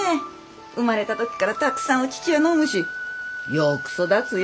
生まれた時からたくさんお乳は飲むしよく育つよ。